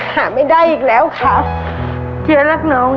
หาไม่ได้อีกแล้วครับเจ๊รักน้องนะขอบคุณครับ